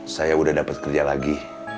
saya udah dapat kerja lagi